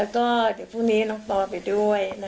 เห็นหน้าเดี๋ยวพรุ่งนี้เห็นหน้าจริงเห็นตัวจริงกันนะคะ